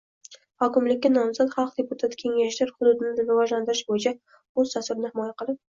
Hokimlikka nomzod xalq deputati Kengashida hududni rivojlantirish bo‘yicha o‘z dasturini himoya qilib